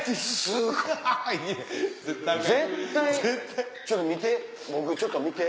すごい。絶対ちょっと見て僕ちょっと見て。